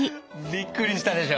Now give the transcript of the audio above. びっくりしたでしょ？